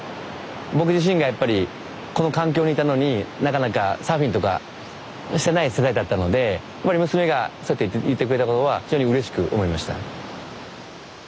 僕自身がやっぱりこの環境にいたのになかなかサーフィンとかしてない世代だったので娘がそうやって言ってくれたことは非常にうれしく思いました。